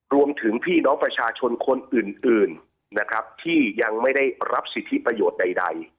พี่น้องประชาชนคนอื่นนะครับที่ยังไม่ได้รับสิทธิประโยชน์ใด